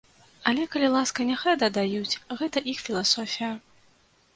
Але, калі ласка, няхай дадаюць, гэта іх філасофія.